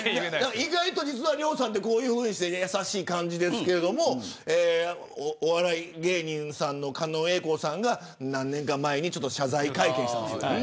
意外と実は亮さんって優しい感じですけれどもお笑い芸人の狩野英孝さんが何年か前に謝罪会見したんです。